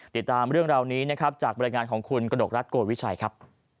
ติดตามเรื่องราวนี้จากบริงารของคุณกระดกรัฐโกวิชัยครับ